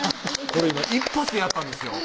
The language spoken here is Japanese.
これ今一発でやったんですよ